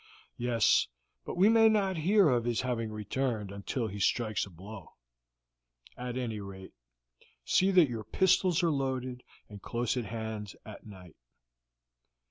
"Yes, but we may not hear of his having returned until he strikes a blow. At any rate, see that your pistols are loaded and close at hand at night."